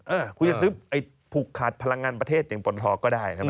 เออคุณจะซื้อไอ้ผูกขาดพลังงานประเทศอย่างปนทอก็ได้นะครับ